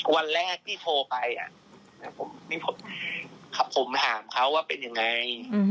วันแรกที่โทรไปผมถามเขาว่าเป็นยังไง